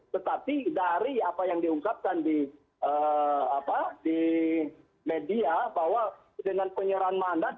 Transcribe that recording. tetapi dari apa yang diungkapkan di media bahwa dengan penyerahan mandat